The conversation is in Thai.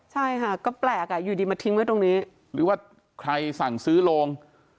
ใช่ค่ะก็แปลกอ่ะอยู่ดีมาทิ้งไว้ตรงนี้หรือว่าใครสั่งซื้อโรง